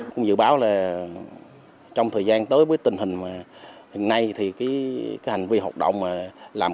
thông dự báo là trong thời gian tới với tình hình này thì cái hành vi hợp đồng mà làm